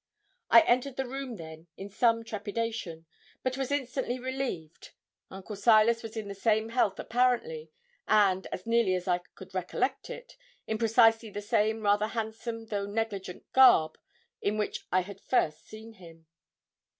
I entered the room, then, in some trepidation, but was instantly relieved. Uncle Silas was in the same health apparently, and, as nearly as I could recollect it, in precisely the same rather handsome though negligent garb in which I had first seen him.